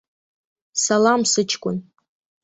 Салам, сыҷкәын!